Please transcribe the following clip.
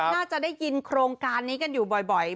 น่าจะได้ยินโครงการนี้กันอยู่บ่อย